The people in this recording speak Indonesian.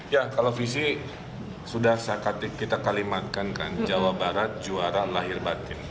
ya kalau visi sudah kita kalimatkan kan jawa barat juara lahir batin